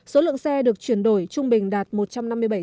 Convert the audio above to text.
số lượng xe được chuyển đổi trung bình đạt một trăm sáu mươi hai xe một năm